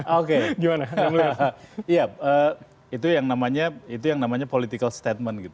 oke gimana apa ya itu yang namanya itu yang namanya political statement